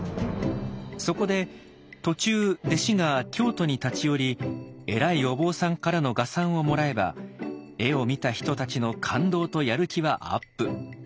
そこで途中弟子が京都に立ち寄り偉いお坊さんからの画賛をもらえば絵を見た人たちの感動とやる気はアップ。